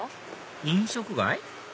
飲食街？